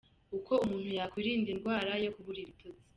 Uko umuntu yakwirinda indwara yo kubura ibitotsi